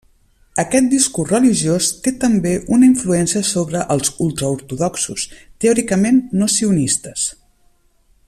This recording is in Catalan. Aquest discurs religiós té també una influència sobre els ultraortodoxos, teòricament no sionistes.